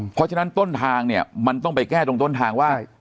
เพราะฉะนั้นต้นทางเนี่ยมันต้องไปแก้ตรงต้นทางว่า